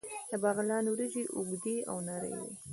د بغلان وریجې اوږدې او نرۍ وي.